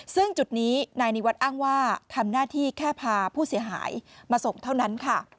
ซึ่งจุดนี้นายนิวัฒน์อ้างว่าทำหน้าที่แค่พาผู้เสียหายมาส่งเท่านั้นค่ะ